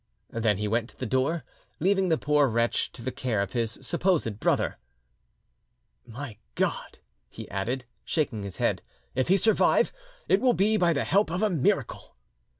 Then he went to the door, leaving the poor wretch to the care of his supposed brother. "My God!" he added, shaking his head, "if he survive, it will be by the help of a miracle."